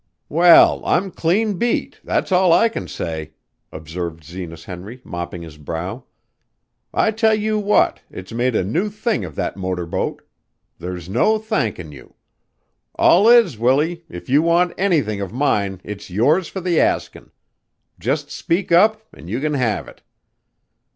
"Well, I'm clean beat that's all I can say," observed Zenas Henry, mopping his brow. "I tell you what, it's made a new thing of that motor boat. There's no thankin' you. All is, Willie, if you want anything of mine it's yours for the askin'. Just speak up an' you can have it."